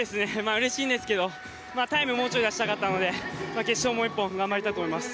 うれしいんですけどタイムもうちょい出したかったので決勝ももう１本頑張りたいと思います。